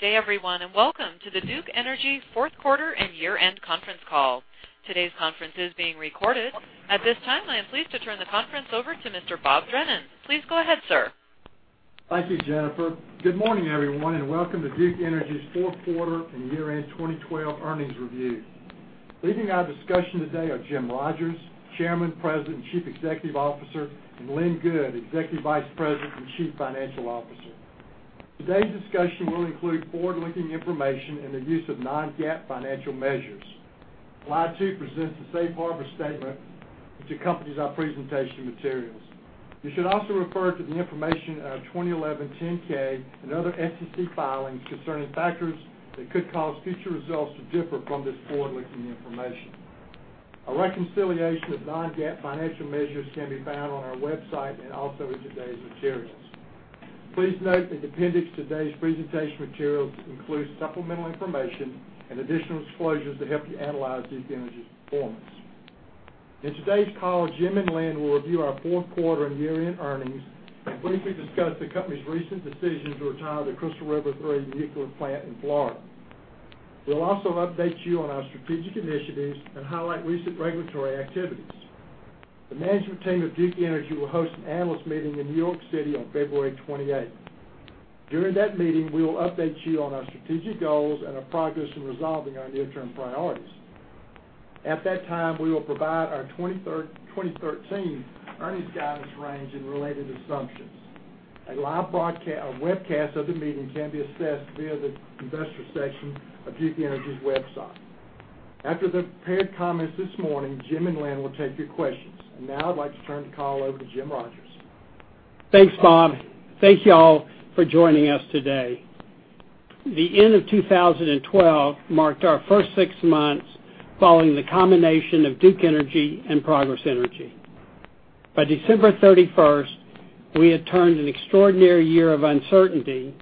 Good day, everyone, welcome to the Duke Energy fourth quarter and year-end conference call. Today's conference is being recorded. At this time, I am pleased to turn the conference over to Mr. Bob Drennan. Please go ahead, sir. Thank you, Jennifer. Good morning, everyone, welcome to Duke Energy's fourth quarter and year-end 2022 earnings review. Leading our discussion today are Jim Rogers, Chairman, President, and Chief Executive Officer, and Lynn Good, Executive Vice President and Chief Financial Officer. Today's discussion will include forward-looking information and the use of non-GAAP financial measures. Slide two presents the safe harbor statement which accompanies our presentation materials. You should also refer to the information in our 2011 10-K and other SEC filings concerning factors that could cause future results to differ from this forward-looking information. A reconciliation of non-GAAP financial measures can be found on our website and also in today's materials. Please note the appendix to today's presentation materials includes supplemental information and additional disclosures to help you analyze Duke Energy's performance. In today's call, Jim and Lynn will review our fourth quarter and year-end earnings and briefly discuss the company's recent decision to retire the Crystal River 3 nuclear plant in Florida. We'll also update you on our strategic initiatives and highlight recent regulatory activities. The management team of Duke Energy will host an analyst meeting in New York City on February 28th. During that meeting, we will update you on our strategic goals and our progress in resolving our near-term priorities. At that time, we will provide our 2013 earnings guidance range and related assumptions. A webcast of the meeting can be accessed via the investor section of Duke Energy's website. After the prepared comments this morning, Jim and Lynn will take your questions. Now I'd like to turn the call over to Jim Rogers. Thanks, Bob. Thank you all for joining us today. The end of 2012 marked our first six months following the combination of Duke Energy and Progress Energy. By December 31st, we had turned an extraordinary year of uncertainty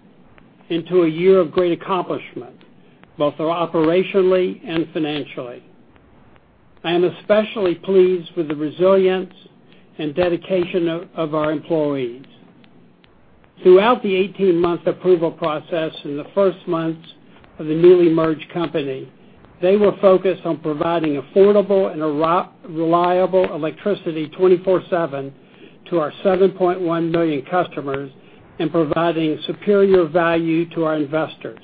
into a year of great accomplishment, both operationally and financially. I am especially pleased with the resilience and dedication of our employees. Throughout the 18-month approval process and the first months of the newly merged company, they were focused on providing affordable and reliable electricity 24/7 to our 7.1 million customers and providing superior value to our investors.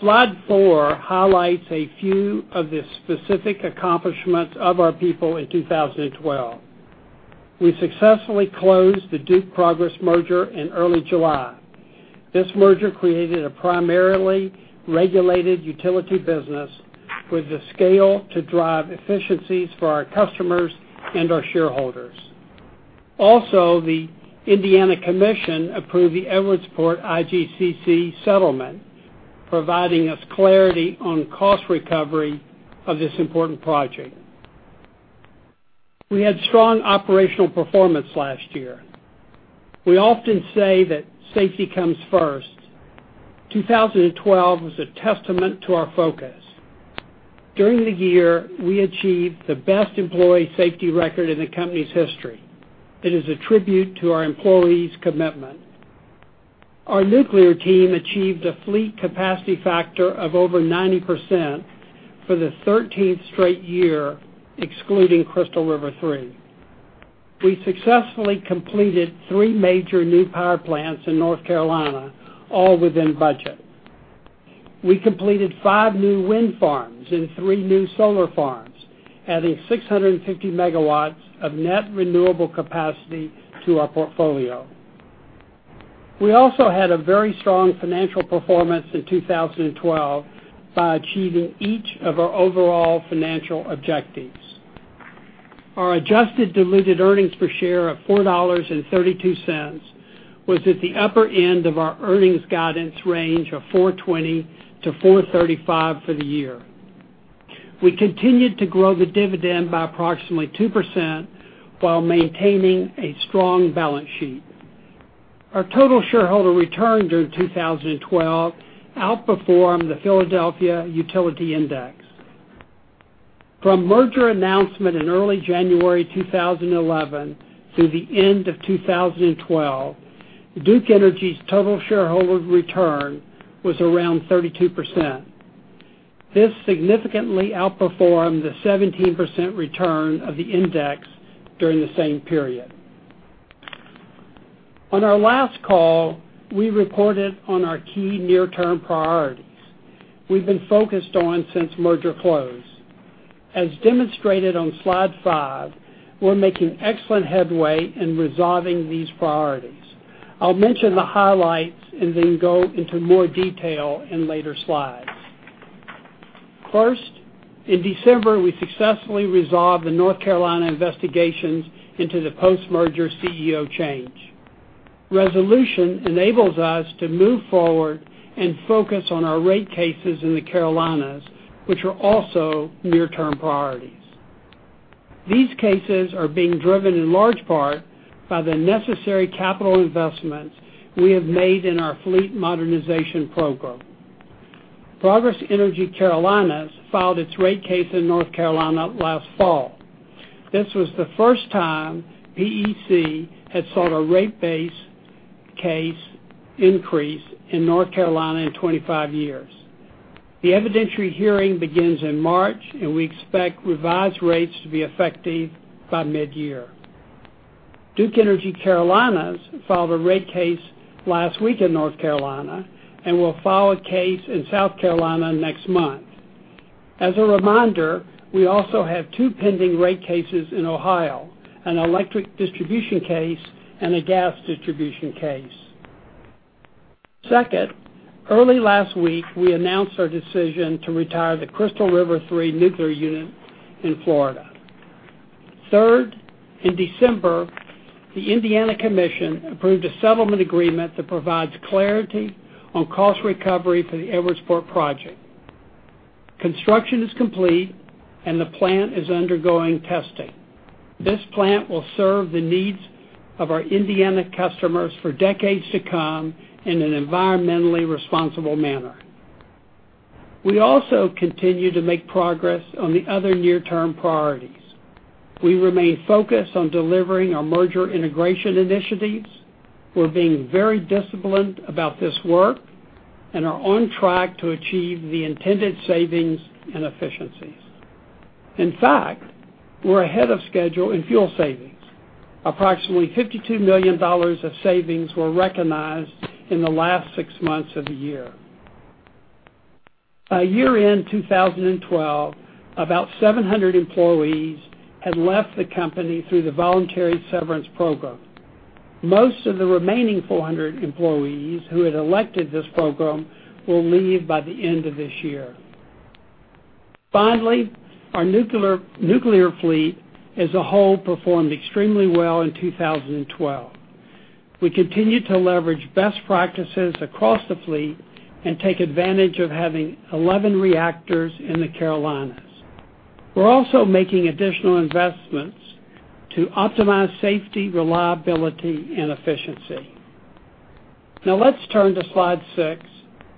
Slide four highlights a few of the specific accomplishments of our people in 2012. We successfully closed the Duke Progress merger in early July. This merger created a primarily regulated utility business with the scale to drive efficiencies for our customers and our shareholders. The Indiana Commission approved the Edwardsport IGCC settlement, providing us clarity on cost recovery of this important project. We had strong operational performance last year. We often say that safety comes first. 2012 was a testament to our focus. During the year, we achieved the best employee safety record in the company's history. It is a tribute to our employees' commitment. Our nuclear team achieved a fleet capacity factor of over 90% for the 13th straight year, excluding Crystal River 3. We successfully completed three major new power plants in North Carolina, all within budget. We completed five new wind farms and three new solar farms, adding 650 megawatts of net renewable capacity to our portfolio. We also had a very strong financial performance in 2012 by achieving each of our overall financial objectives. Our adjusted diluted earnings per share of $4.32 was at the upper end of our earnings guidance range of $4.20 to $4.35 for the year. We continued to grow the dividend by approximately 2% while maintaining a strong balance sheet. Our total shareholder return during 2012 outperformed the Philadelphia Utility Index. From merger announcement in early January 2011 through the end of 2012, Duke Energy's total shareholder return was around 32%. This significantly outperformed the 17% return of the index during the same period. On our last call, we reported on our key near-term priorities we've been focused on since merger close. As demonstrated on slide five, we're making excellent headway in resolving these priorities. I'll mention the highlights and then go into more detail in later slides. In December, we successfully resolved the North Carolina investigations into the post-merger CEO change. Resolution enables us to move forward and focus on our rate cases in the Carolinas, which are also near-term priorities. These cases are being driven in large part by the necessary capital investments we have made in our fleet modernization program. Progress Energy Carolinas filed its rate case in North Carolina last fall. This was the first time PEC had sought a rate base case increase in North Carolina in 25 years. The evidentiary hearing begins in March, and we expect revised rates to be effective by mid-year. Duke Energy Carolinas filed a rate case last week in North Carolina and will file a case in South Carolina next month. As a reminder, we also have two pending rate cases in Ohio, an electric distribution case and a gas distribution case. Early last week, we announced our decision to retire the Crystal River 3 nuclear unit in Florida. In December, the Indiana Commission approved a settlement agreement that provides clarity on cost recovery for the Edwardsport project. Construction is complete, and the plant is undergoing testing. This plant will serve the needs of our Indiana customers for decades to come in an environmentally responsible manner. We also continue to make progress on the other near-term priorities. We remain focused on delivering our merger integration initiatives. We're being very disciplined about this work and are on track to achieve the intended savings and efficiencies. In fact, we're ahead of schedule in fuel savings. Approximately $52 million of savings were recognized in the last six months of the year. By year-end 2012, about 700 employees had left the company through the voluntary severance program. Most of the remaining 400 employees who had elected this program will leave by the end of this year. Our nuclear fleet as a whole performed extremely well in 2012. We continue to leverage best practices across the fleet and take advantage of having 11 reactors in the Carolinas. We are also making additional investments to optimize safety, reliability, and efficiency. Let's turn to slide six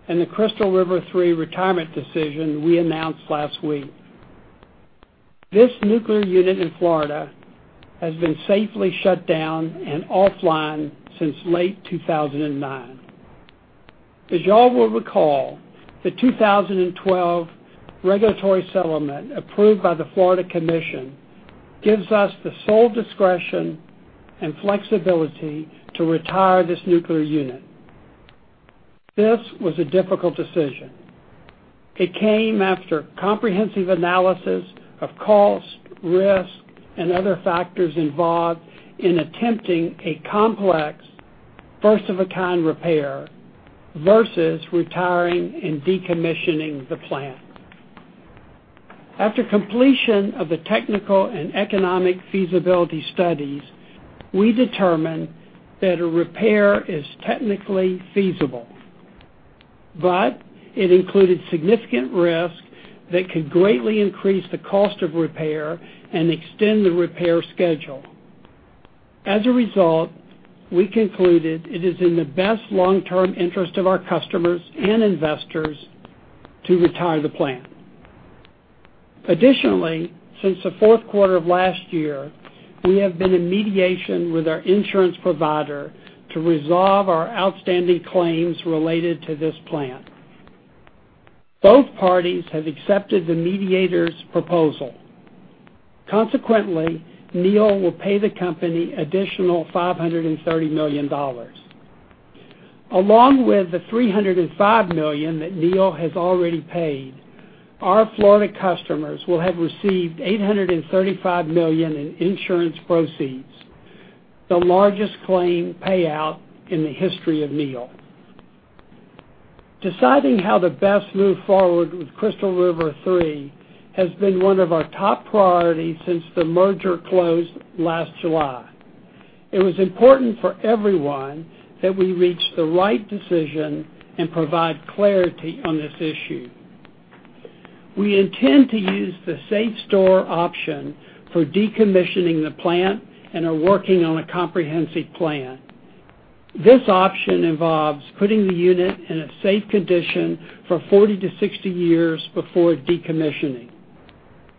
and the Crystal River 3 retirement decision we announced last week. This nuclear unit in Florida has been safely shut down and offline since late 2009. As you all will recall, the 2012 regulatory settlement approved by the Florida Commission gives us the sole discretion and flexibility to retire this nuclear unit. This was a difficult decision. It came after comprehensive analysis of cost, risk, and other factors involved in attempting a complex, first-of-a-kind repair versus retiring and decommissioning the plant. After completion of the technical and economic feasibility studies, we determined that a repair is technically feasible, but it included significant risk that could greatly increase the cost of repair and extend the repair schedule. As a result, we concluded it is in the best long-term interest of our customers and investors to retire the plant. Additionally, since the fourth quarter of last year, we have been in mediation with our insurance provider to resolve our outstanding claims related to this plant. Both parties have accepted the mediator's proposal. Consequently, NEI will pay the company an additional $530 million. Along with the $305 million that NEI has already paid, our Florida customers will have received $835 million in insurance proceeds, the largest claim payout in the history of NEI. Deciding how to best move forward with Crystal River 3 has been one of our top priorities since the merger closed last July. It was important for everyone that we reach the right decision and provide clarity on this issue. We intend to use the SAFSTOR option for decommissioning the plant and are working on a comprehensive plan. This option involves putting the unit in a safe condition for 40 to 60 years before decommissioning.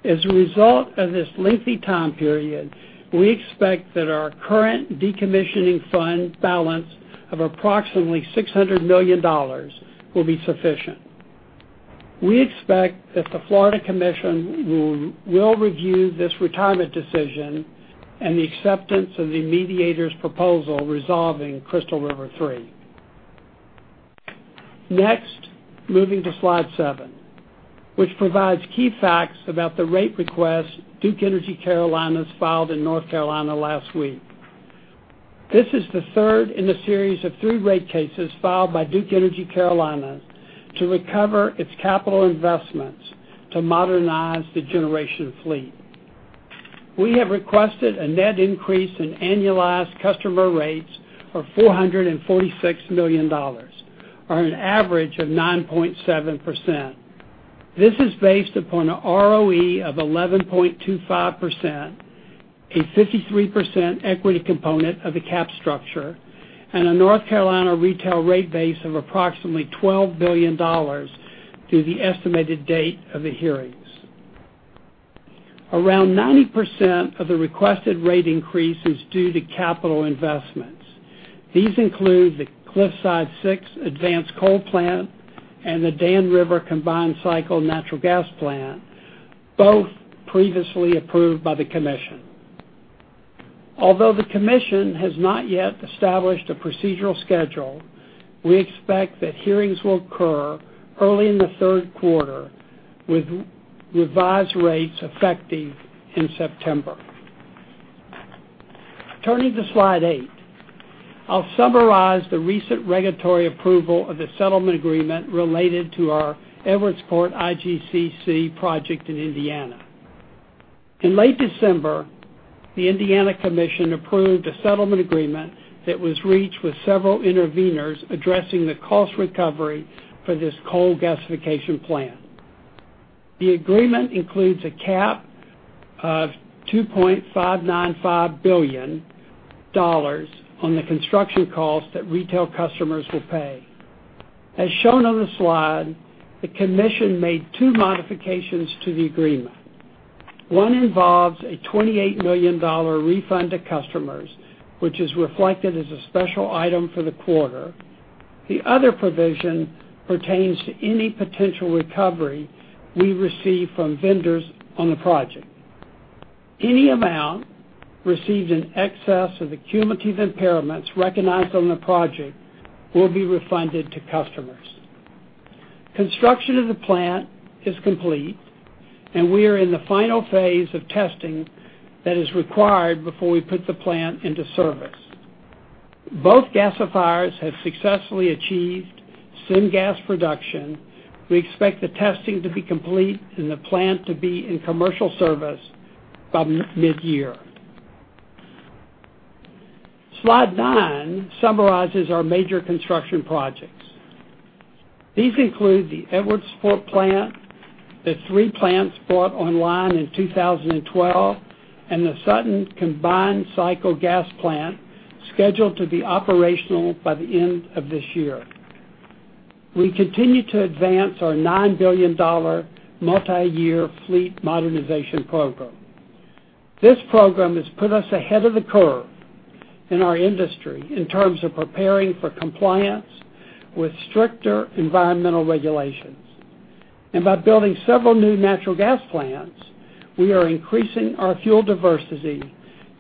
As a result of this lengthy time period, we expect that our current decommissioning fund balance of approximately $600 million will be sufficient. We expect that the Florida Commission will review this retirement decision and the acceptance of the mediator's proposal resolving Crystal River 3. Moving to slide seven, which provides key facts about the rate request Duke Energy Carolinas filed in North Carolina last week. This is the third in a series of three rate cases filed by Duke Energy Carolinas to recover its capital investments to modernize the generation fleet. We have requested a net increase in annualized customer rates of $446 million, or an average of 9.7%. This is based upon a ROE of 11.25%, a 53% equity component of the cap structure, and a North Carolina retail rate base of approximately $12 billion through the estimated date of the hearings. Around 90% of the requested rate increase is due to capital investments. These include the Cliffside 6 Advanced Coal Plant and the Dan River Combined Cycle Natural Gas Plant, both previously approved by the commission. Although the commission has not yet established a procedural schedule, we expect that hearings will occur early in the third quarter, with revised rates effective in September. Turning to slide eight. I'll summarize the recent regulatory approval of the settlement agreement related to our Edwardsport IGCC project in Indiana. In late December, the Indiana Commission approved a settlement agreement that was reached with several interveners addressing the cost recovery for this coal gasification plant. The agreement includes a cap of $2.595 billion on the construction costs that retail customers will pay. As shown on the slide, the commission made two modifications to the agreement. One involves a $28 million refund to customers, which is reflected as a special item for the quarter. The other provision pertains to any potential recovery we receive from vendors on the project. Any amount received in excess of the cumulative impairments recognized on the project will be refunded to customers. Construction of the plant is complete, and we are in the final phase of testing that is required before we put the plant into service. Both gasifiers have successfully achieved syngas production. We expect the testing to be complete and the plant to be in commercial service by mid-year. Slide nine summarizes our major construction projects. These include the Edwardsport plant, the three plants brought online in 2012, and the Sutton Combined Cycle Gas Plant, scheduled to be operational by the end of this year. We continue to advance our $9 billion multi-year fleet modernization program. This program has put us ahead of the curve in our industry in terms of preparing for compliance with stricter environmental regulations. By building several new natural gas plants, we are increasing our fuel diversity,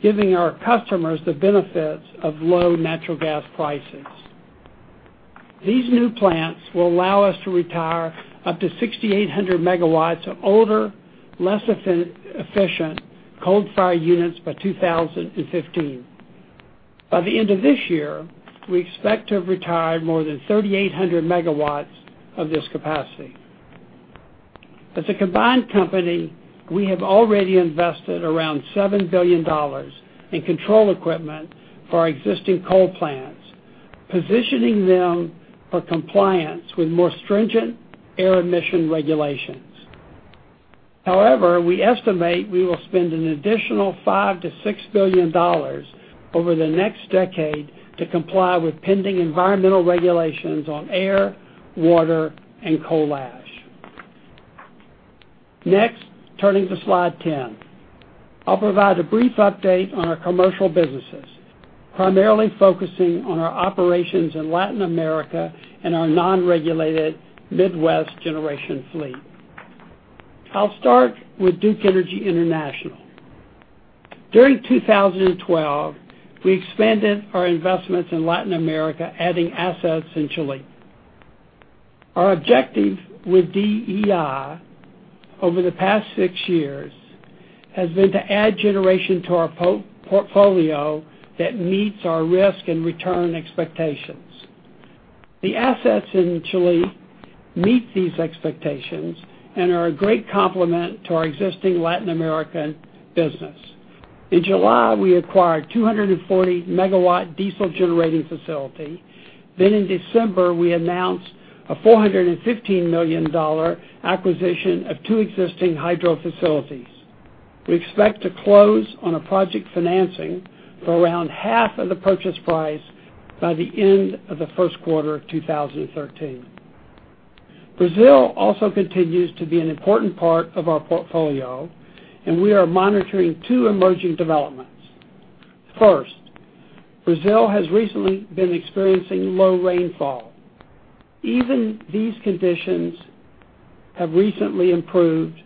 giving our customers the benefits of low natural gas prices. These new plants will allow us to retire up to 6,800 megawatts of older, less efficient coal-fired units by 2015. By the end of this year, we expect to have retired more than 3,800 megawatts of this capacity. As a combined company, we have already invested around $7 billion in control equipment for our existing coal plants, positioning them for compliance with more stringent air emission regulations. However, we estimate we will spend an additional $5 billion-$6 billion over the next decade to comply with pending environmental regulations on air, water, and coal ash. Next, turning to slide 10. I'll provide a brief update on our commercial businesses, primarily focusing on our operations in Latin America and our non-regulated Midwest generation fleet. I'll start with Duke Energy International. During 2012, we expanded our investments in Latin America, adding assets in Chile. Our objective with DEI over the past six years has been to add generation to our portfolio that meets our risk and return expectations. The assets in Chile meet these expectations and are a great complement to our existing Latin American business. In July, we acquired a 240-megawatt diesel generating facility. In December, we announced a $415 million acquisition of two existing hydro facilities. We expect to close on a project financing for around half of the purchase price by the end of the first quarter of 2013. Brazil also continues to be an important part of our portfolio, and we are monitoring two emerging developments. First, Brazil has recently been experiencing low rainfall. Even though these conditions have recently improved,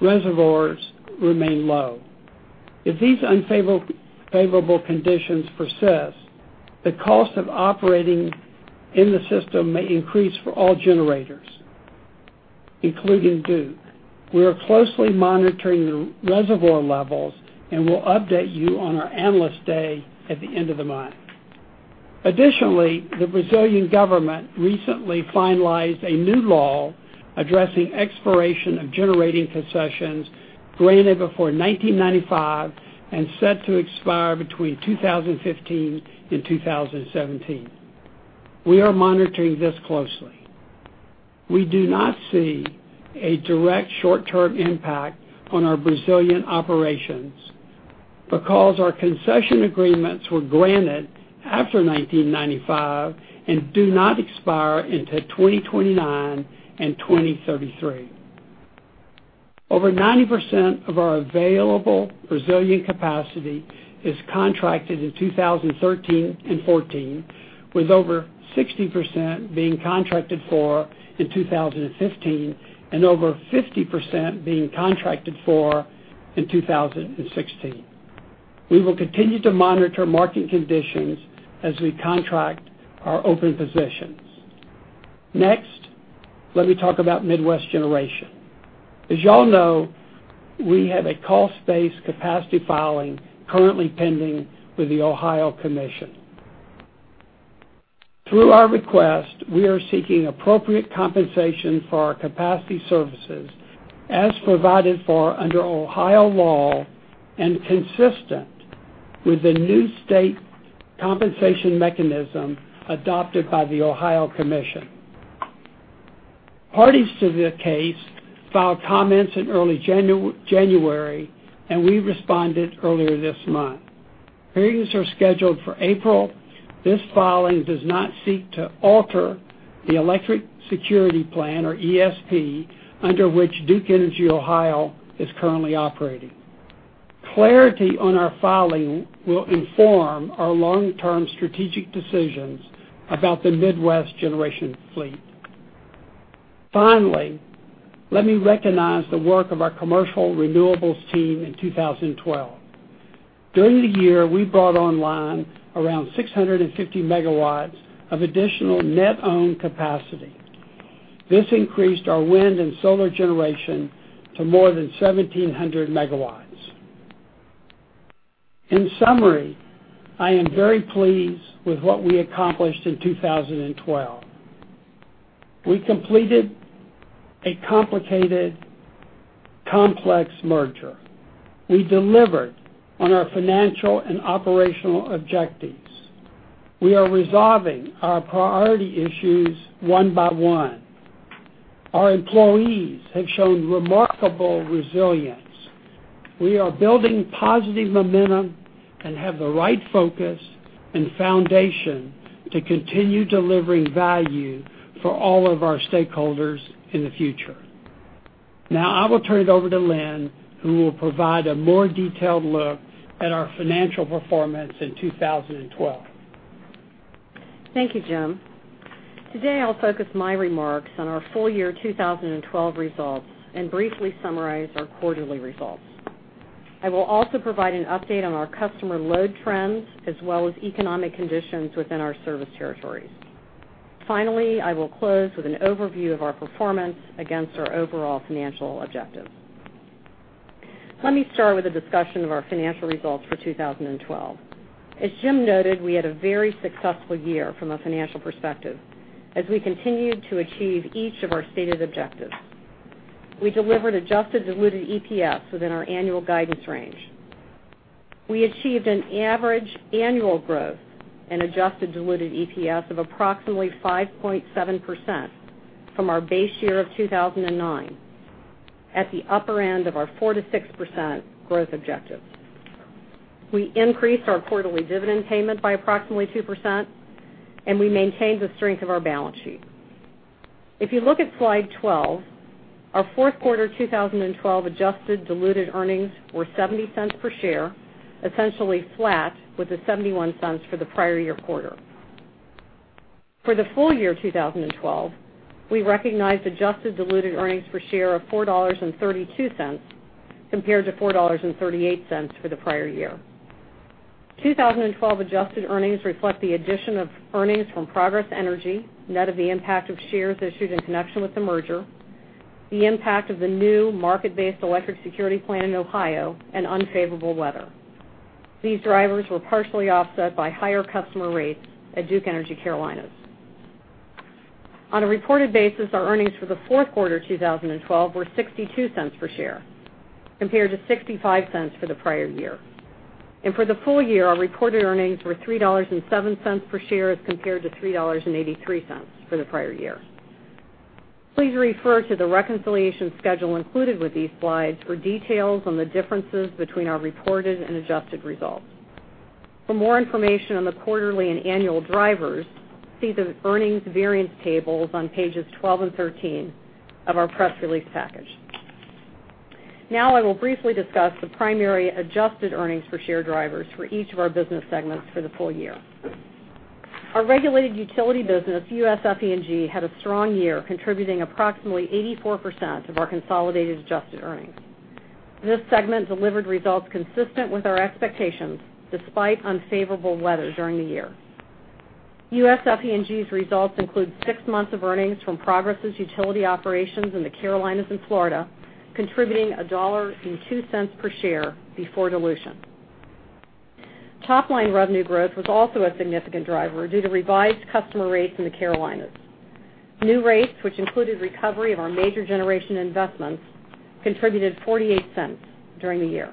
reservoirs remain low. If these unfavorable conditions persist, the cost of operating in the system may increase for all generators, including Duke. We are closely monitoring the reservoir levels and will update you on our Analyst Day at the end of the month. The Brazilian government recently finalized a new law addressing expiration of generating concessions granted before 1995 and set to expire between 2015 and 2017. We are monitoring this closely. We do not see a direct short-term impact on our Brazilian operations because our concession agreements were granted after 1995 and do not expire until 2029 and 2033. Over 90% of our available Brazilian capacity is contracted in 2013 and 2014, with over 60% being contracted for in 2015 and over 50% being contracted for in 2016. We will continue to monitor market conditions as we contract our open positions. Next, let me talk about Midwest Generation. As you all know, we have a cost-based capacity filing currently pending with the Ohio Commission. Through our request, we are seeking appropriate compensation for our capacity services as provided for under Ohio law and consistent with the new state compensation mechanism adopted by the Ohio Commission. Parties to the case filed comments in early January, and we responded earlier this month. Hearings are scheduled for April. This filing does not seek to alter the Electric Security Plan or ESP under which Duke Energy Ohio is currently operating. Clarity on our filing will inform our long-term strategic decisions about the Midwest Generation fleet. Let me recognize the work of our commercial renewables team in 2012. During the year, we brought online around 650 megawatts of additional net owned capacity. This increased our wind and solar generation to more than 1,700 megawatts. In summary, I am very pleased with what we accomplished in 2012. We completed a complicated, complex merger. We delivered on our financial and operational objectives. We are resolving our priority issues one by one. Our employees have shown remarkable resilience. We are building positive momentum and have the right focus and foundation to continue delivering value for all of our stakeholders in the future. I will turn it over to Lynn, who will provide a more detailed look at our financial performance in 2012. Thank you, Jim. Today, I'll focus my remarks on our full year 2012 results and briefly summarize our quarterly results. I will also provide an update on our customer load trends as well as economic conditions within our service territories. I will close with an overview of our performance against our overall financial objectives. Let me start with a discussion of our financial results for 2012. As Jim noted, we had a very successful year from a financial perspective as we continued to achieve each of our stated objectives. We delivered adjusted diluted EPS within our annual guidance range. We achieved an average annual growth in adjusted diluted EPS of approximately 5.7% from our base year of 2009, at the upper end of our 4%-6% growth objectives. We increased our quarterly dividend payment by approximately 2%, and we maintained the strength of our balance sheet. If you look at slide 12, our fourth quarter 2012 adjusted diluted earnings were $0.70 per share, essentially flat with the $0.71 for the prior year quarter. For the full year 2012, we recognized adjusted diluted earnings per share of $4.32 compared to $4.38 for the prior year. 2012 adjusted earnings reflect the addition of earnings from Progress Energy, net of the impact of shares issued in connection with the merger, the impact of the new market-based electric security plan in Ohio, and unfavorable weather. These drivers were partially offset by higher customer rates at Duke Energy Carolinas. On a reported basis, our earnings for the fourth quarter 2012 were $0.62 per share compared to $0.65 for the prior year. For the full year, our reported earnings were $3.07 per share as compared to $3.83 for the prior year. Please refer to the reconciliation schedule included with these slides for details on the differences between our reported and adjusted results. For more information on the quarterly and annual drivers, see the earnings variance tables on pages 12 and 13 of our press release package. Now, I will briefly discuss the primary adjusted earnings per share drivers for each of our business segments for the full year. Our regulated utility business, U.S. FE&G, had a strong year, contributing approximately 84% of our consolidated adjusted earnings. This segment delivered results consistent with our expectations, despite unfavorable weather during the year. U.S. FE&G's results include six months of earnings from Progress' utility operations in the Carolinas and Florida, contributing $1.02 per share before dilution. Top-line revenue growth was also a significant driver due to revised customer rates in the Carolinas. New rates, which included recovery of our major generation investments, contributed $0.48 during the year.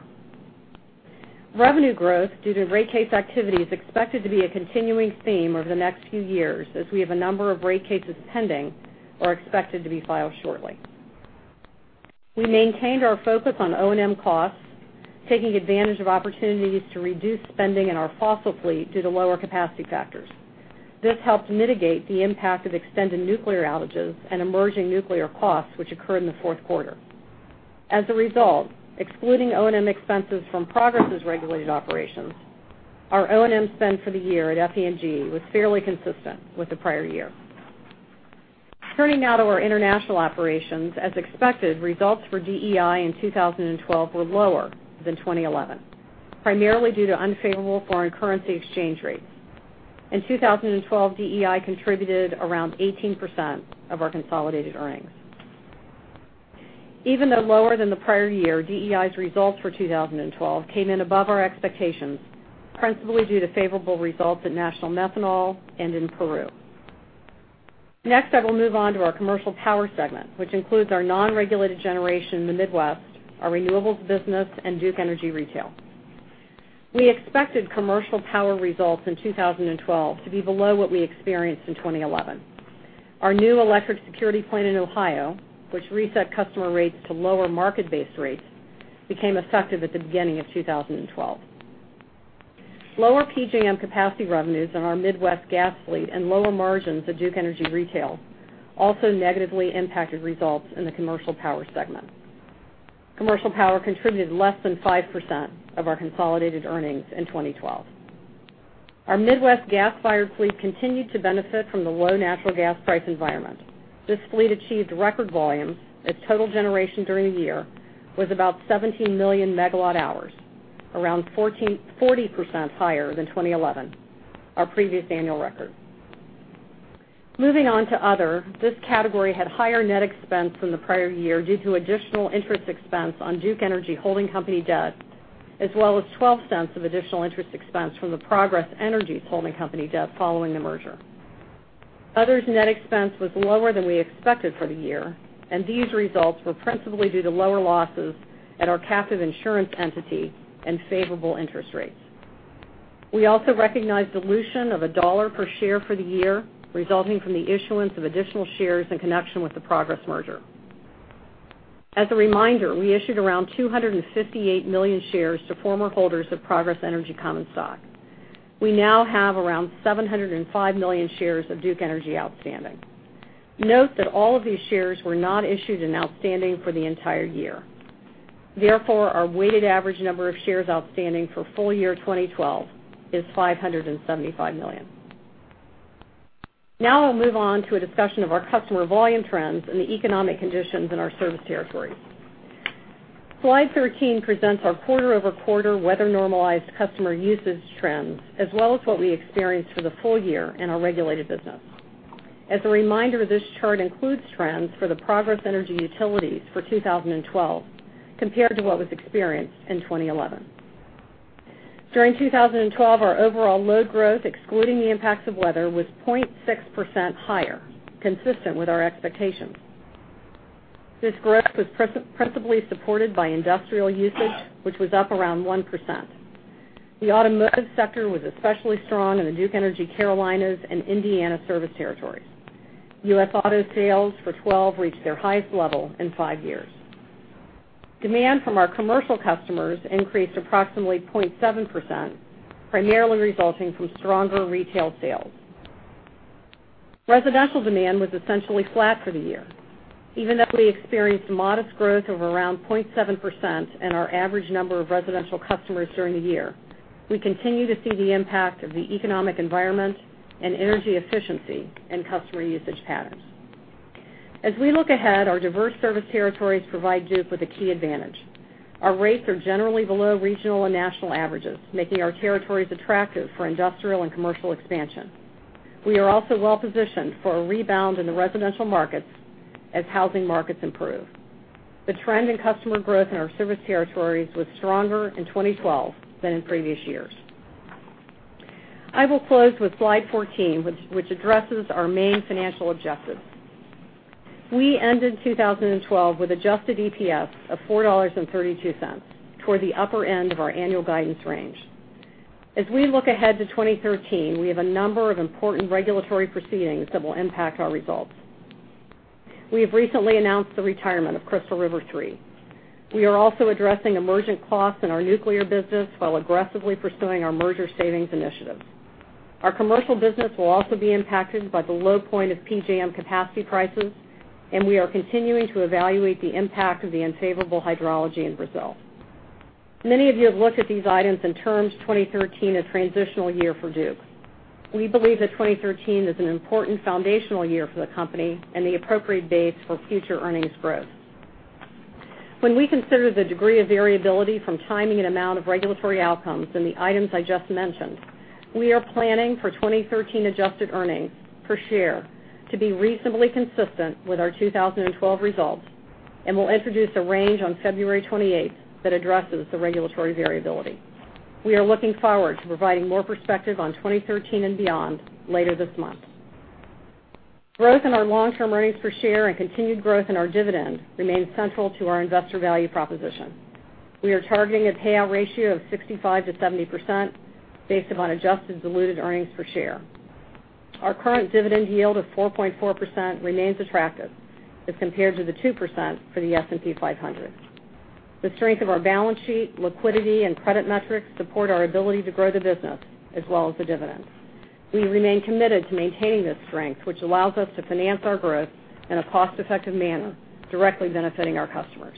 Revenue growth due to rate case activity is expected to be a continuing theme over the next few years as we have a number of rate cases pending or expected to be filed shortly. We maintained our focus on O&M costs, taking advantage of opportunities to reduce spending in our fossil fleet due to lower capacity factors. This helped mitigate the impact of extended nuclear outages and emerging nuclear costs, which occurred in the fourth quarter. As a result, excluding O&M expenses from Progress' regulated operations, our O&M spend for the year at FPG was fairly consistent with the prior year. Turning now to our international operations. As expected, results for DEI in 2012 were lower than 2011, primarily due to unfavorable foreign currency exchange rates. In 2012, DEI contributed around 18% of our consolidated earnings. Even though lower than the prior year, DEI's results for 2012 came in above our expectations, principally due to favorable results at National Methanol and in Peru. Next, I will move on to our Commercial Power segment, which includes our non-regulated generation in the Midwest, our renewables business, and Duke Energy Retail. We expected Commercial Power results in 2012 to be below what we experienced in 2011. Our new electric security plan in Ohio, which reset customer rates to lower market-based rates, became effective at the beginning of 2012. Lower PJM capacity revenues in our Midwest gas fleet and lower margins at Duke Energy Retail also negatively impacted results in the Commercial Power segment. Commercial Power contributed less than 5% of our consolidated earnings in 2012. Our Midwest gas-fired fleet continued to benefit from the low natural gas price environment. This fleet achieved record volumes as total generation during the year was about 17 million megawatt hours, around 40% higher than 2011, our previous annual record. Moving on to other, this category had higher net expense than the prior year due to additional interest expense on Duke Energy holding company debt, as well as $0.12 of additional interest expense from the Progress Energy holding company debt following the merger. Other's net expense was lower than we expected for the year, and these results were principally due to lower losses at our captive insurance entity and favorable interest rates. We also recognized dilution of $1 per share for the year, resulting from the issuance of additional shares in connection with the Progress merger. As a reminder, we issued around 258 million shares to former holders of Progress Energy common stock. We now have around 705 million shares of Duke Energy outstanding. Note that all of these shares were not issued and outstanding for the entire year. Therefore, our weighted average number of shares outstanding for full year 2012 is 575 million. I'll move on to a discussion of our customer volume trends and the economic conditions in our service territories. Slide 13 presents our quarter-over-quarter weather-normalized customer usage trends, as well as what we experienced for the full year in our regulated business. As a reminder, this chart includes trends for the Progress Energy utilities for 2012 compared to what was experienced in 2011. During 2012, our overall load growth, excluding the impacts of weather, was 0.6% higher, consistent with our expectations. This growth was principally supported by industrial usage, which was up around 1%. The automotive sector was especially strong in the Duke Energy Carolinas and Indiana service territories. U.S. auto sales for 2012 reached their highest level in five years. Demand from our commercial customers increased approximately 0.7%, primarily resulting from stronger retail sales. Residential demand was essentially flat for the year. Even though we experienced modest growth of around 0.7% in our average number of residential customers during the year, we continue to see the impact of the economic environment and energy efficiency in customer usage patterns. As we look ahead, our diverse service territories provide Duke with a key advantage. Our rates are generally below regional and national averages, making our territories attractive for industrial and commercial expansion. We are also well-positioned for a rebound in the residential markets as housing markets improve. The trend in customer growth in our service territories was stronger in 2012 than in previous years. I will close with slide 14, which addresses our main financial objectives. We ended 2012 with adjusted EPS of $4.32, toward the upper end of our annual guidance range. As we look ahead to 2013, we have a number of important regulatory proceedings that will impact our results. We have recently announced the retirement of Crystal River 3. We are also addressing emergent costs in our nuclear business while aggressively pursuing our merger savings initiatives. Our commercial business will also be impacted by the low point of PJM capacity prices, and we are continuing to evaluate the impact of the unfavorable hydrology in Brazil. Many of you have looked at these items and termed 2013 a transitional year for Duke. We believe that 2013 is an important foundational year for the company and the appropriate base for future earnings growth. When we consider the degree of variability from timing and amount of regulatory outcomes and the items I just mentioned, we are planning for 2013 adjusted earnings per share to be reasonably consistent with our 2012 results and will introduce a range on February 28th that addresses the regulatory variability. We are looking forward to providing more perspective on 2013 and beyond later this month. Growth in our long-term earnings per share and continued growth in our dividends remains central to our investor value proposition. We are targeting a payout ratio of 65%-70% based upon adjusted diluted earnings per share. Our current dividend yield of 4.4% remains attractive as compared to the 2% for the S&P 500. The strength of our balance sheet, liquidity, and credit metrics support our ability to grow the business as well as the dividends. We remain committed to maintaining this strength, which allows us to finance our growth in a cost-effective manner, directly benefiting our customers.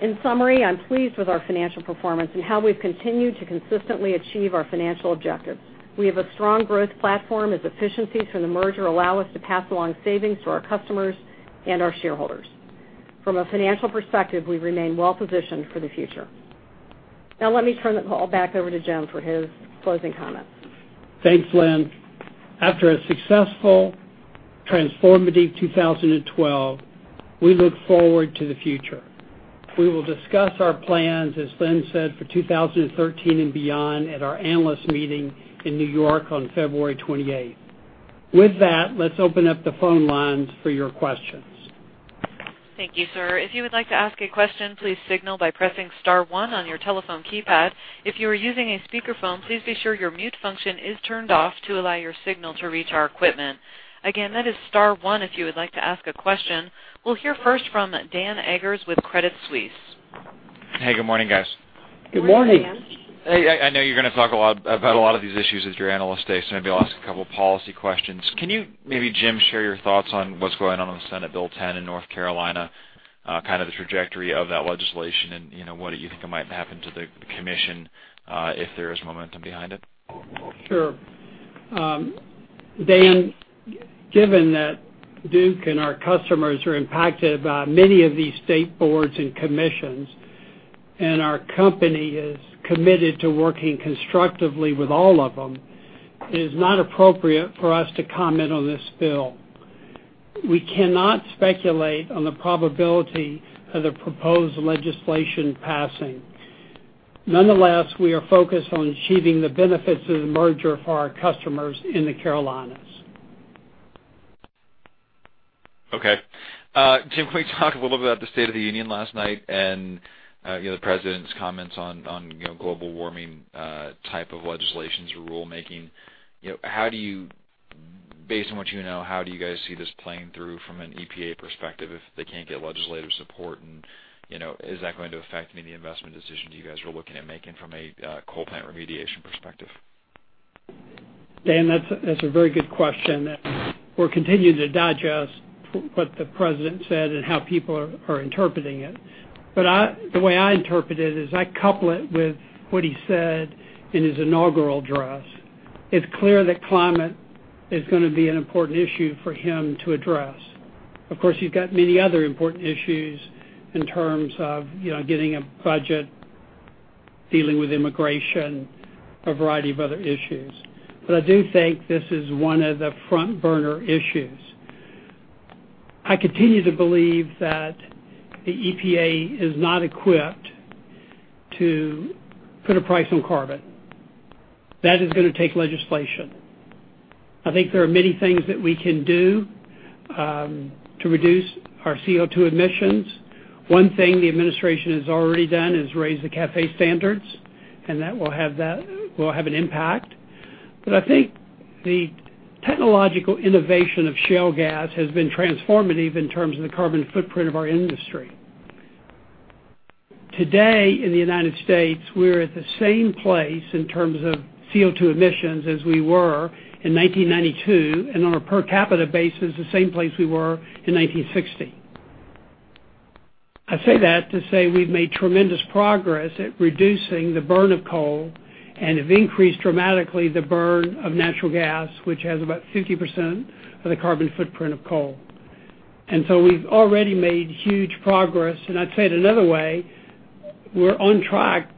In summary, I'm pleased with our financial performance and how we've continued to consistently achieve our financial objectives. We have a strong growth platform as efficiencies from the merger allow us to pass along savings to our customers and our shareholders. From a financial perspective, we remain well-positioned for the future. Let me turn the call back over to Jim for his closing comments. Thanks, Lynn. After a successful, transformative 2012, we look forward to the future. We will discuss our plans, as Lynn said, for 2013 and beyond at our analyst meeting in New York on February 28th. With that, let's open up the phone lines for your questions. Thank you, sir. If you would like to ask a question, please signal by pressing *1 on your telephone keypad. If you are using a speakerphone, please be sure your mute function is turned off to allow your signal to reach our equipment. Again, that is *1 if you would like to ask a question. We'll hear first from Dan Eggers with Credit Suisse. Hey, good morning, guys. Good morning. Good morning, Dan. I know you're going to talk about a lot of these issues at your Analyst Day, maybe I'll ask a couple policy questions. Can you, maybe Jim, share your thoughts on what's going on with Senate Bill 10 in North Carolina, kind of the trajectory of that legislation and what you think might happen to the commission if there is momentum behind it? Sure. Dan, given that Duke and our customers are impacted by many of these state boards and commissions, and our company is committed to working constructively with all of them, it is not appropriate for us to comment on this bill. We cannot speculate on the probability of the proposed legislation passing. Nonetheless, we are focused on achieving the benefits of the merger for our customers in the Carolinas. Okay. Jim, can we talk a little bit about the State of the Union last night and the President's comments on global warming type of legislations or rulemaking. Based on what you know, how do you guys see this playing through from an EPA perspective if they can't get legislative support? Is that going to affect any investment decisions you guys are looking at making from a coal plant remediation perspective? Dan, that's a very good question. We're continuing to digest what the President said and how people are interpreting it. The way I interpret it is I couple it with what he said in his inaugural address. It's clear that climate is going to be an important issue for him to address. Of course, you've got many other important issues in terms of getting a budget, dealing with immigration, a variety of other issues. I do think this is one of the front burner issues. I continue to believe that the EPA is not equipped to put a price on carbon. That is going to take legislation. I think there are many things that we can do to reduce our CO2 emissions. One thing the administration has already done is raise the CAFE standards, and that will have an impact. I think the technological innovation of shale gas has been transformative in terms of the carbon footprint of our industry. Today in the United States, we're at the same place in terms of CO2 emissions as we were in 1992, and on a per capita basis, the same place we were in 1960. I say that to say we've made tremendous progress at reducing the burn of coal and have increased dramatically the burn of natural gas, which has about 50% of the carbon footprint of coal. We've already made huge progress, and I'd say it another way, we're on track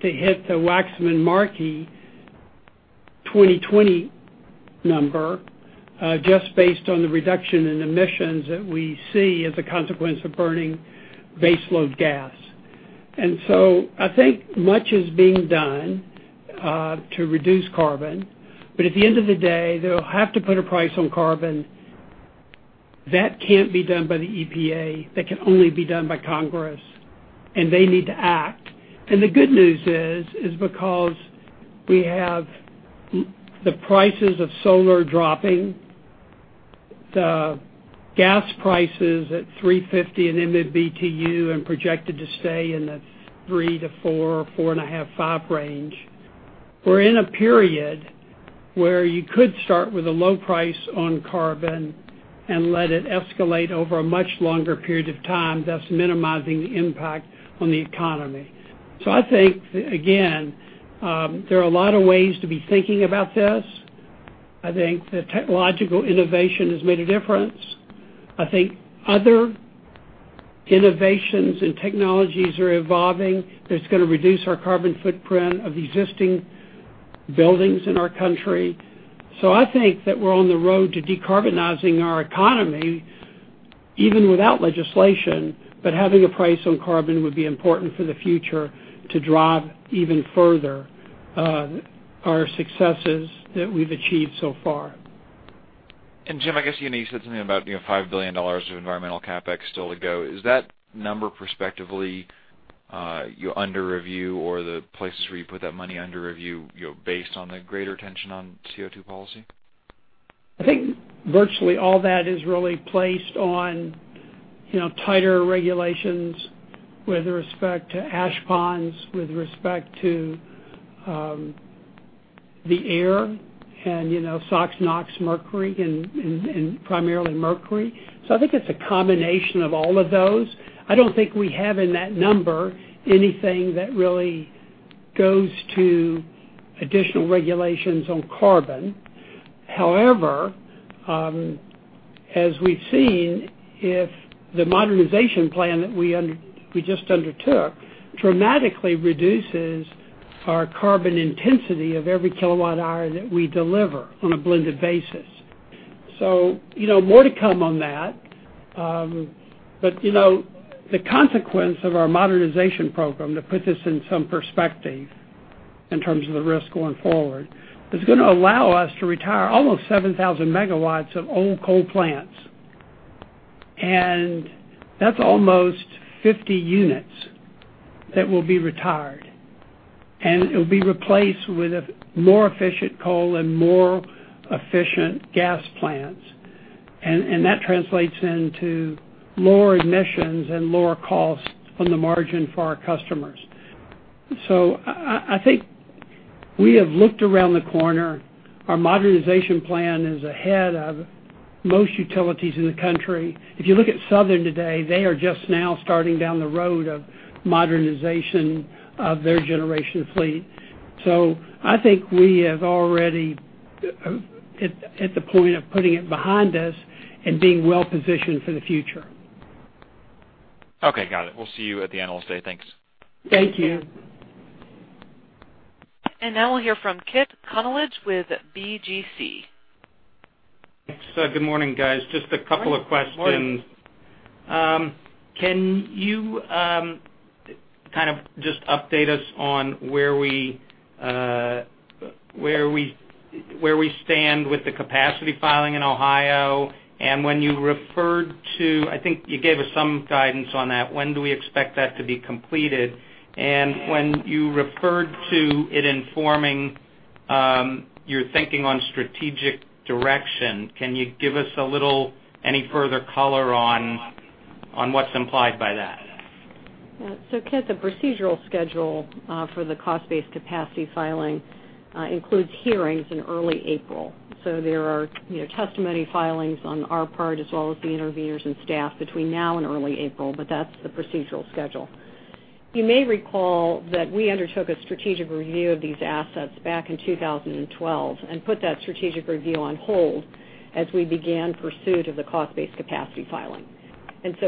to hit the Waxman-Markey 2020 number just based on the reduction in emissions that we see as a consequence of burning base load gas. I think much is being done to reduce carbon. At the end of the day, they'll have to put a price on carbon. That can't be done by the EPA. That can only be done by Congress, and they need to act. The good news is because we have the prices of solar dropping, the gas prices at 3.50 in MMBtu and projected to stay in the 3 to 4.5 range. We're in a period where you could start with a low price on carbon and let it escalate over a much longer period of time, thus minimizing the impact on the economy. I think, again, there are a lot of ways to be thinking about this. I think the technological innovation has made a difference. I think other innovations and technologies are evolving that's going to reduce our carbon footprint of existing buildings in our country. I think that we're on the road to decarbonizing our economy even without legislation. Having a price on carbon would be important for the future to drive even further our successes that we've achieved so far. Jim, I guess you said something about $5 billion of environmental CapEx still to go. Is that number perspectively under review or the places where you put that money under review based on the greater tension on CO2 policy? I think virtually all that is really placed on tighter regulations with respect to ash ponds, with respect to the air and, SOx, NOx, mercury, and primarily mercury. I think it's a combination of all of those. I don't think we have in that number anything that really goes to additional regulations on carbon. However, as we've seen, the modernization plan that we just undertook dramatically reduces our carbon intensity of every kilowatt hour that we deliver on a blended basis. More to come on that. The consequence of our modernization program, to put this in some perspective in terms of the risk going forward, is going to allow us to retire almost 7,000 megawatts of old coal plants. That's almost 50 units that will be retired. It'll be replaced with a more efficient coal and more efficient gas plants. That translates into lower emissions and lower costs on the margin for our customers. I think we have looked around the corner. Our modernization plan is ahead of most utilities in the country. If you look at Southern today, they are just now starting down the road of modernization of their generation fleet. I think we have already at the point of putting it behind us and being well-positioned for the future. Okay, got it. We'll see you at the Analyst Day. Thanks. Thank you. Now we'll hear from Kit Konolige with BGC. Thanks. Good morning, guys. Just a couple of questions. Morning. Can you just update us on where we stand with the capacity filing in Ohio? When you referred to, I think you gave us some guidance on that, when do we expect that to be completed? When you referred to it informing your thinking on strategic direction, can you give us any further color on what's implied by that? Kit, the procedural schedule for the cost-based capacity filing includes hearings in early April. There are testimony filings on our part, as well as the interveners and staff between now and early April, that's the procedural schedule. You may recall that we undertook a strategic review of these assets back in 2012 and put that strategic review on hold as we began pursuit of the cost-based capacity filing.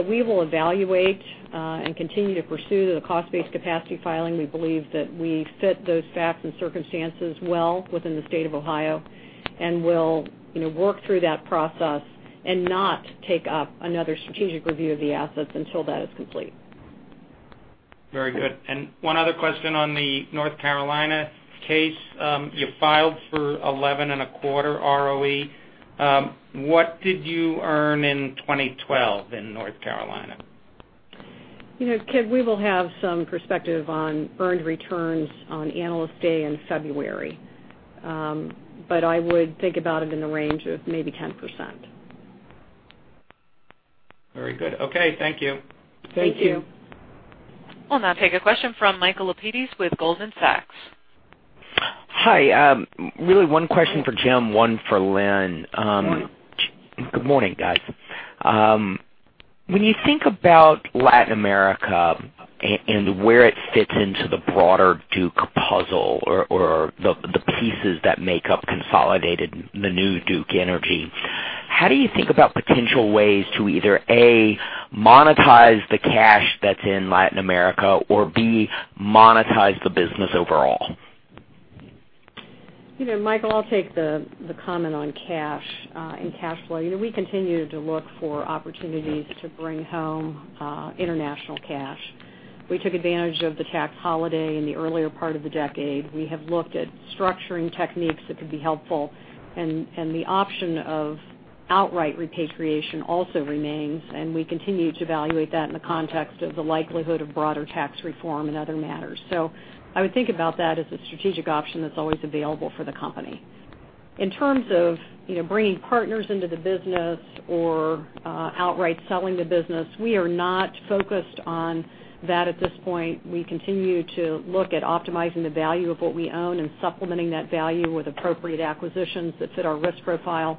We will evaluate and continue to pursue the cost-based capacity filing. We believe that we fit those facts and circumstances well within the state of Ohio and will work through that process and not take up another strategic review of the assets until that is complete. Very good. One other question on the North Carolina case. You filed for 11.25% ROE. What did you earn in 2012 in North Carolina? Kit, we will have some perspective on earned returns on Analyst day in February. I would think about it in the range of maybe 10%. Very good. Okay. Thank you. Thank you. Thank you. We'll now take a question from Michael Lapides with Goldman Sachs. Hi. Really one question for Jim, one for Lynn. Morning. Good morning, guys. When you think about Latin America and where it fits into the broader Duke puzzle or the pieces that make up consolidated, the new Duke Energy, how do you think about potential ways to either, A, monetize the cash that's in Latin America, or B, monetize the business overall? Michael, I'll take the comment on cash and cash flow. We continue to look for opportunities to bring home international cash. We took advantage of the tax holiday in the earlier part of the decade. We have looked at structuring techniques that could be helpful, and the option of outright repatriation also remains, and we continue to evaluate that in the context of the likelihood of broader tax reform and other matters. I would think about that as a strategic option that's always available for the company. In terms of bringing partners into the business or outright selling the business, we are not focused on that at this point. We continue to look at optimizing the value of what we own and supplementing that value with appropriate acquisitions that fit our risk profile.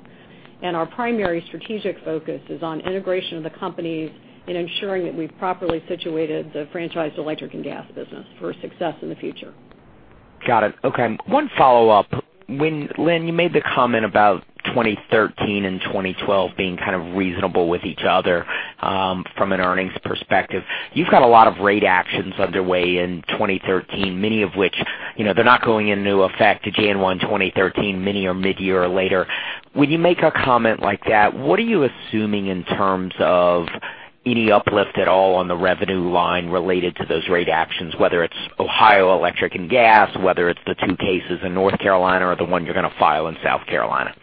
Our primary strategic focus is on integration of the companies and ensuring that we've properly situated the franchise electric and gas business for success in the future. Got it. Okay. One follow-up. Lynn, you made the comment about 2013 and 2012 being kind of reasonable with each other from an earnings perspective. You've got a lot of rate actions underway in 2013, many of which they're not going into effect to January 1, 2013, many are mid-year or later. When you make a comment like that, what are you assuming in terms of Any uplift at all on the revenue line related to those rate actions, whether it's Duke Energy Ohio, whether it's the two cases in North Carolina or the one you're going to file in South Carolina?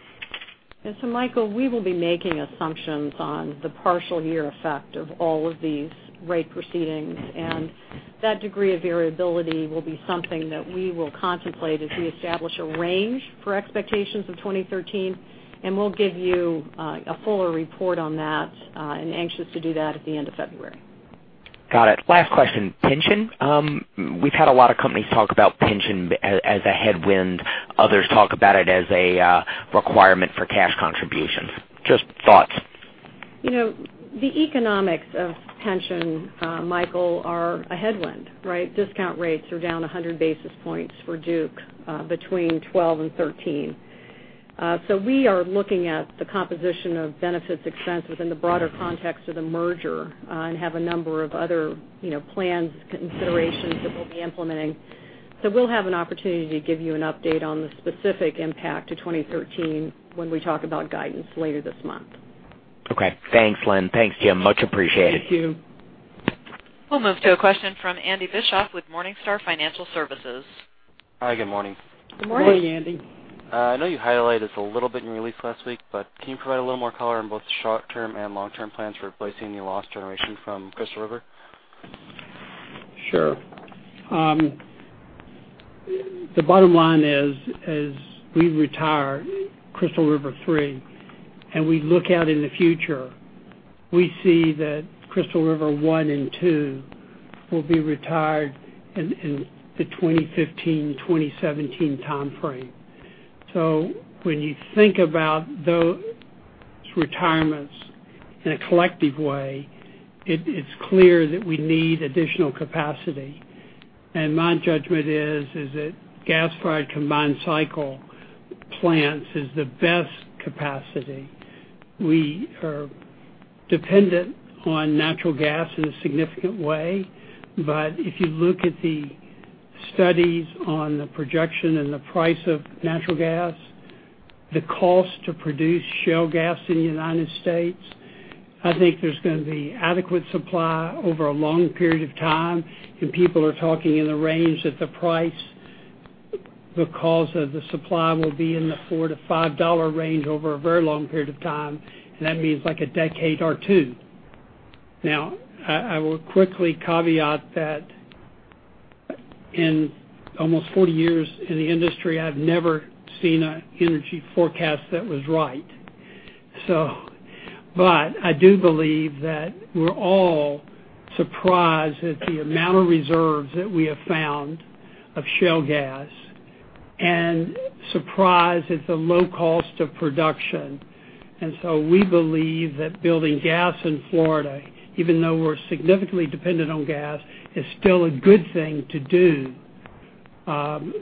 Michael, we will be making assumptions on the partial year effect of all of these rate proceedings, and that degree of variability will be something that we will contemplate as we establish a range for expectations of 2013, and we'll give you a fuller report on that and anxious to do that at the end of February. Got it. Last question. Pension. We've had a lot of companies talk about pension as a headwind. Others talk about it as a requirement for cash contributions. Just thoughts. The economics of pension, Michael, are a headwind, right? Discount rates are down 100 basis points for Duke between 2012 and 2013. We are looking at the composition of benefits expenses in the broader context of the merger and have a number of other plans, considerations that we'll be implementing. We'll have an opportunity to give you an update on the specific impact to 2013 when we talk about guidance later this month. Okay. Thanks, Lynn. Thanks, Jim. Much appreciated. Thank you. We'll move to a question from Andy Bischof with Morningstar Financial Services. Hi, good morning. Good morning. Good morning, Andy. I know you highlighted this a little bit in your release last week, can you provide a little more color on both short-term and long-term plans for replacing the lost generation from Crystal River? Sure. The bottom line is, as we retire Crystal River 3, and we look out in the future, we see that Crystal River 1 and 2 will be retired in the 2015-2017 time frame. When you think about those retirements in a collective way, it's clear that we need additional capacity. My judgment is that gas-fired combined cycle plants is the best capacity. We are dependent on natural gas in a significant way. If you look at the studies on the projection and the price of natural gas, the cost to produce shale gas in the U.S., I think there's going to be adequate supply over a long period of time, and people are talking in the range that the price, because of the supply, will be in the $4 to $5 range over a very long period of time, and that means like a decade or two. I will quickly caveat that in almost 40 years in the industry, I've never seen an energy forecast that was right. I do believe that we're all surprised at the amount of reserves that we have found of shale gas and surprised at the low cost of production. We believe that building gas in Florida, even though we're significantly dependent on gas, is still a good thing to do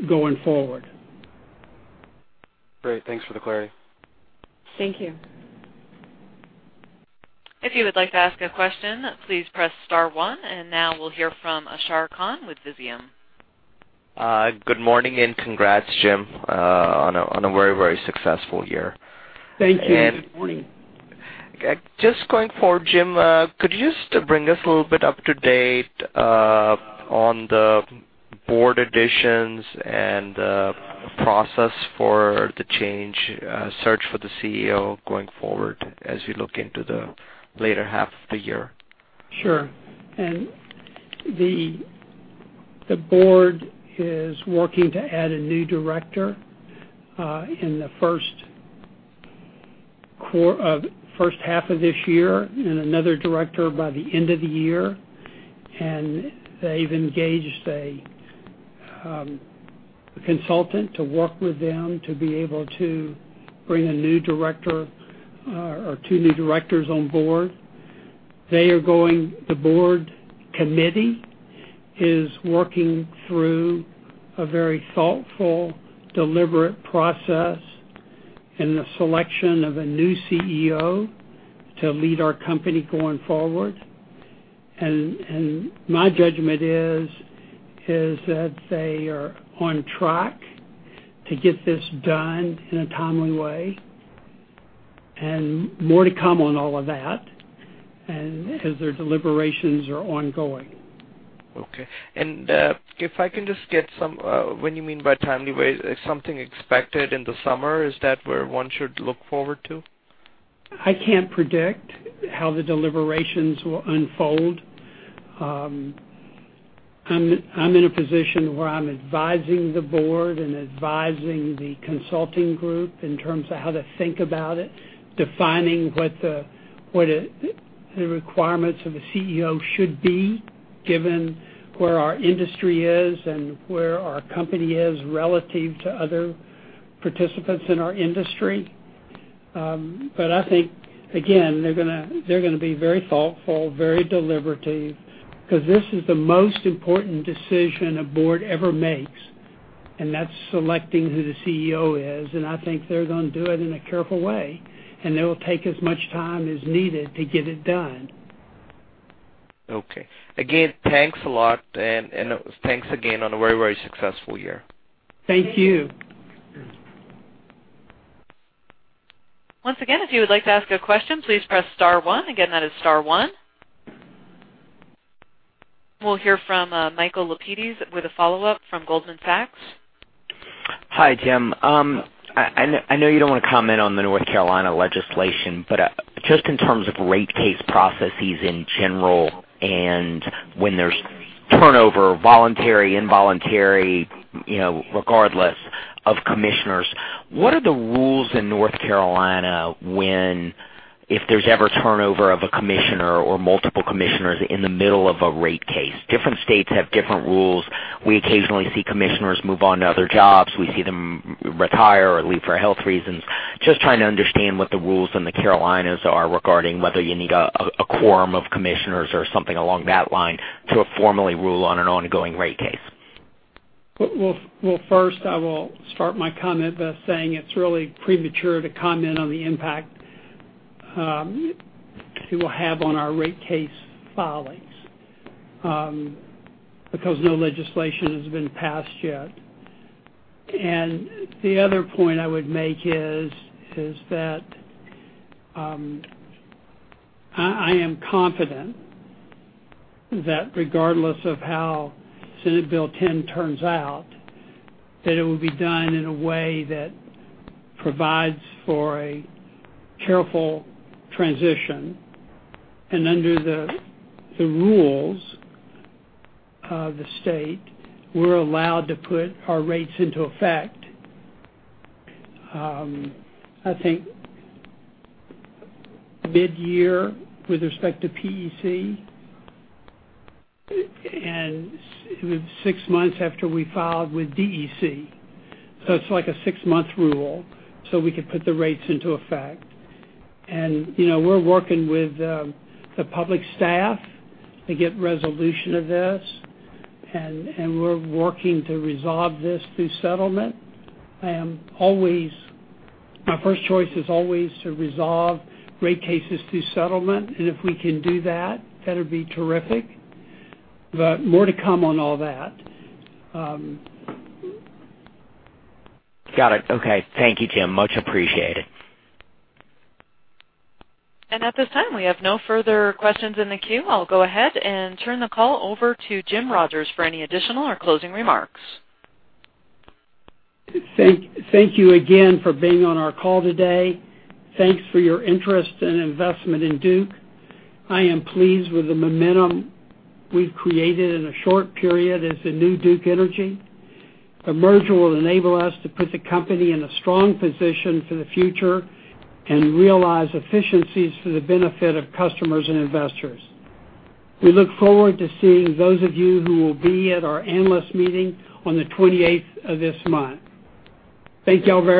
going forward. Great. Thanks for the clarity. Thank you. If you would like to ask a question, please press *1. Now we'll hear from Ashar Khan with Visium. Good morning, and congrats, Jim, on a very, very successful year. Thank you. Good morning. Just going forward, Jim, could you just bring us a little bit up to date on the board additions and the process for the search for the CEO going forward as we look into the later half of the year? Sure. The board is working to add a new director in the first half of this year and another director by the end of the year. They've engaged a consultant to work with them to be able to bring a new director or two new directors on board. The board committee is working through a very thoughtful, deliberate process in the selection of a new CEO to lead our company going forward. My judgment is that they are on track to get this done in a timely way, and more to come on all of that as their deliberations are ongoing. Okay. If I can just get some, when you mean by timely way, is something expected in the summer? Is that where one should look forward to? I can't predict how the deliberations will unfold. I'm in a position where I'm advising the board and advising the consulting group in terms of how to think about it, defining what the requirements of a CEO should be given where our industry is and where our company is relative to other participants in our industry. I think, again, they're going to be very thoughtful, very deliberative, because this is the most important decision a board ever makes, and that's selecting who the CEO is, and I think they're going to do it in a careful way, and they will take as much time as needed to get it done. Okay. Again, thanks a lot, and thanks again on a very, very successful year. Thank you. Once again, if you would like to ask a question, please press star one. Again, that is star one. We'll hear from Michael Lapides with a follow-up from Goldman Sachs. Hi, Jim. I know you don't want to comment on the North Carolina legislation, but just in terms of rate case processes in general and when there's turnover, voluntary, involuntary, regardless of commissioners, what are the rules in North Carolina if there's ever turnover of a commissioner or multiple commissioners in the middle of a rate case? Different states have different rules. We occasionally see commissioners move on to other jobs. We see them retire or leave for health reasons. Just trying to understand what the rules in the Carolinas are regarding whether you need a quorum of commissioners or something along that line to formally rule on an ongoing rate case. Well, first, I will start my comment by saying it's really premature to comment on the impact it will have on our rate case filings, because no legislation has been passed yet. The other point I would make is that I am confident that regardless of how Senate Bill 10 turns out, that it will be done in a way that provides for a careful transition. Under the rules of the state, we're allowed to put our rates into effect, I think mid-year with respect to PEC, and six months after we filed with DEC. It's like a six-month rule so we could put the rates into effect. We're working with the public staff to get resolution of this, and we're working to resolve this through settlement. My first choice is always to resolve rate cases through settlement. If we can do that'd be terrific. More to come on all that. Got it. Okay. Thank you, Jim. Much appreciated. At this time, we have no further questions in the queue. I'll go ahead and turn the call over to Jim Rogers for any additional or closing remarks. Thank you again for being on our call today. Thanks for your interest and investment in Duke. I am pleased with the momentum we've created in a short period as the new Duke Energy. The merger will enable us to put the company in a strong position for the future and realize efficiencies for the benefit of customers and investors. We look forward to seeing those of you who will be at our analyst meeting on the 28th of this month. Thank you all very much